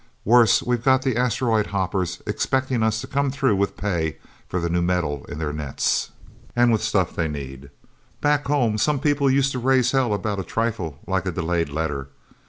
Worse, we've got the asteroid hoppers expecting us to come through with pay for the new metal in their nets, and with stuff they need. Back home, some people used to raise hell about a trifle like a delayed letter.